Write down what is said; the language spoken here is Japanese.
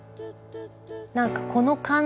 何かこの感じ